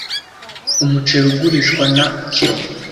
Umuceri ugurishwa na kilo.